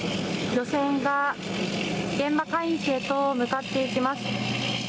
漁船が現場海域へと向かっていきます。